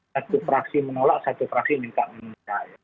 satu fraksi menolak satu fraksi tidak menolak